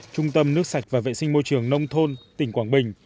trung tâm nước sạch và vệ sinh môi trường nông thôn tỉnh quảng bình